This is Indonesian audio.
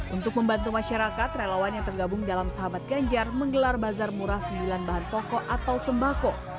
untuk membantu masyarakat relawan yang tergabung dalam sahabat ganjar menggelar bazar murah sembilan bahan pokok atau sembako